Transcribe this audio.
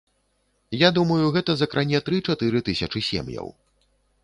Я думаю, гэта закране тры-чатыры тысячы сем'яў.